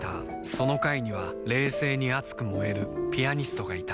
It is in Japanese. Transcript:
その階には冷静に熱く燃えるピアニストがいた